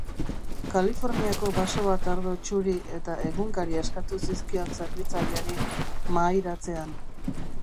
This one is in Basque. Kaliforniako baso bat ardo txuri eta egunkaria eskatu zizkion zerbitzariari mahairatzean.